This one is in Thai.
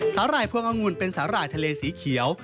หร่ายพวงองุ่นเป็นสาหร่ายทะเลสีเขียว